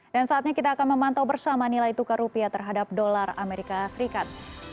dan saatnya kita akan memantau bersama nilai tukar rupiah terhadap dolar amerika serikat